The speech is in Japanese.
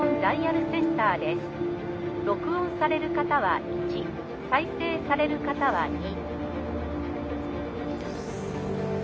録音される方は１再生される方は２」。